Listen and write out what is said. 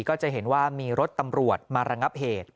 ก็จะเห็นว่ามีรถตำรวจมาระงับเหตุ